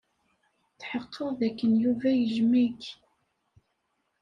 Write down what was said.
Tḥeqqeɣ dakken Yuba yejjem-ik.